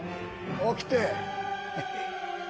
起きて。